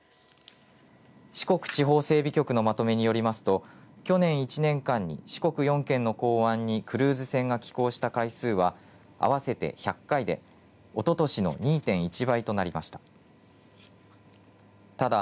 四国地方整備局のまとめによりますと去年１年間に四国４県の港湾にクルーズ船が寄港した回数は合わせて１００回でおととしの２．１倍となりました。